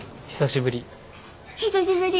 久しぶり。